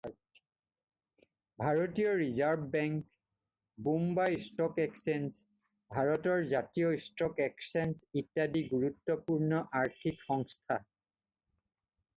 ভাৰতীয় reserve bank, Bombay stock exchange, ভাৰতৰ জাতীয় ষ্টক এক্সচেঞ্জ ইত্যাদি গুৰুত্বপূৰ্ণ আৰ্থিক সংস্থা।